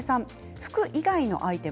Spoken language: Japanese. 服以外のアイテム